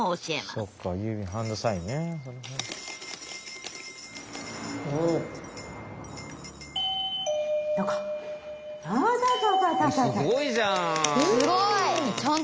すごいじゃん。